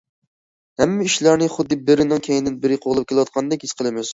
ھەممە ئىشلارنى خۇددى بىرىنىڭ كەينىدىن بىرى قوغلاپ كېلىۋاتقاندەك ھېس قىلىمىز.